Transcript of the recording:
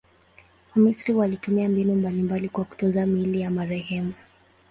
Wamisri walitumia mbinu mbalimbali kwa kutunza miili ya marehemu.